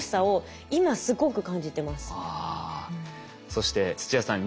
そして土屋さん